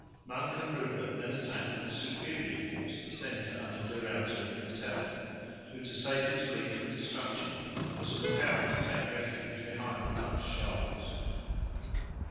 Monk and Rupert then attacked with a superior force the centre under De Ruyter himself, who to save his fleet from destruction was compelled to take refuge behind the Dutch shoals.